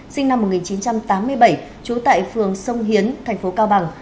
sinh năm một nghìn chín trăm tám mươi bảy trú tại phường sông hiến thành phố cao bằng